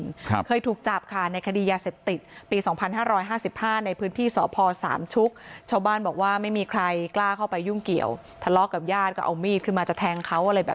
ครับเคยถูกจาบขาในคดียาเสบติปีสองพันห้าร้อยห้าสิบห้า